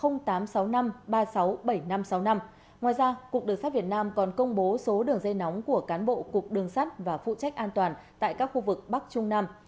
ngoài ra cục đường sát việt nam còn công bố số đường dây nóng của cán bộ cục đường sắt và phụ trách an toàn tại các khu vực bắc trung nam